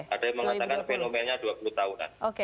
ada yang mengatakan fenomenanya dua puluh tahunan